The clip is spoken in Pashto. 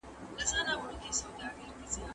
که دقت ونکړئ څېړنه به مو غلطه سي.